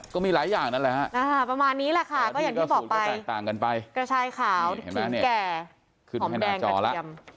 ก็มีหลายอย่างนั้นแหละอ่ะบางอย่างนี้แหละค่ะก็อย่างที่บอกเลยก็ต่างกันไปกระชายขาวขิงแก่